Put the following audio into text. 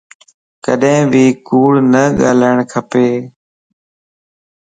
ڪڏي بي ڪوڙ نه ڳالھاڙ کپ